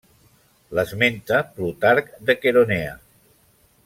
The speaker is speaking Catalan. L'esmenta Plutarc de Queronea.